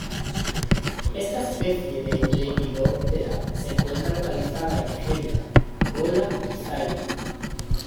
Esta especie de Lepidoptera se encuentra localizada en Nigeria, Angola y Zaire.